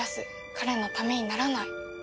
彼のためにならない。